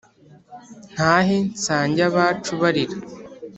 ntahe nsange abacu barira